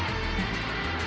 jangan makan aku